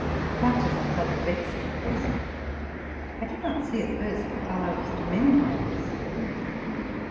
Much as I felt vexed at this, I did not see at first how I was to mend matters.